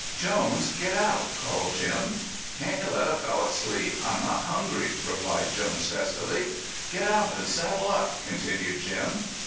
"Jones, get out," called Jim. "Can't you let a fellow sleep? I'm not hungry," replied Jones testily. "Get out and saddle up," continued Jim.